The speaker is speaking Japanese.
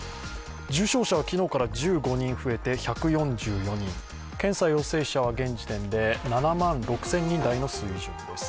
重症者は昨日から１５人増えて１４４人検査陽性者は現時点で７万６０００人台の水準です。